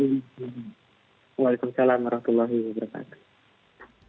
waalaikumsalam warahmatullahi wabarakatuh